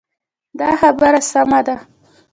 دا خبره سمه ده.